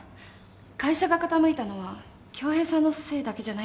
会社が傾いたのは恭平さんのせいだけじゃないんで。